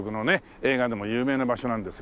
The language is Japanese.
映画でも有名な場所なんですが。